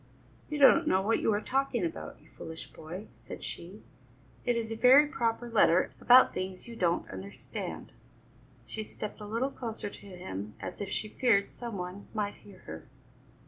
"You don't know what you are talking about, you foolish boy," said she; "it is a very proper letter about things you don't understand." She stepped a little closer to him as if she feared some one might hear her.